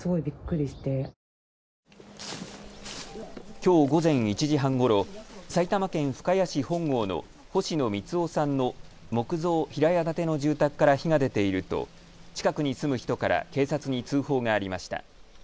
きょう午前１時半ごろ、埼玉県深谷市本郷の星野光男さんの木造平屋建ての住宅から火が出ていると近くに住む人から警察に通報がありました。